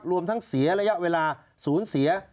รวมทั้งเสียระยะเวลาศูนย์เสีย